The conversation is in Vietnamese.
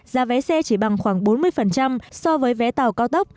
giá vé xe chỉ bằng khoảng bốn mươi so với vé tàu cao tốc